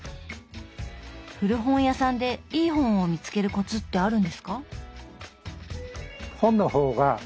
古本屋さんでいい本を見つけるコツってあるんですか？